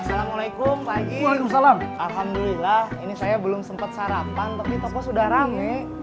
assalamualaikum alhamdulillah ini saya belum sempat sarapan tapi toko sudah rame